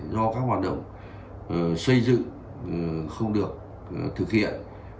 do các hoạt động xây dựng không được thực hiện